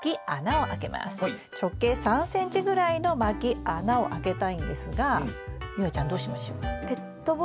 直径３ｃｍぐらいのまき穴をあけたいんですが夕空ちゃんどうしましょう？